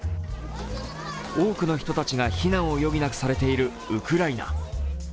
多くの人たちが避難を余儀なくされているウクライナ。